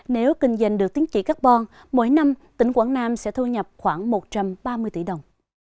nếu kinh doanh được tiến trị carbon mỗi năm tỉnh quảng nam sẽ thu nhập khoảng một trăm ba mươi tỷ đồng